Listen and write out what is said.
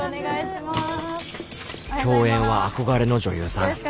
共演は憧れの女優さん